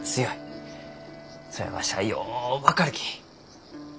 それわしはよう分かるき。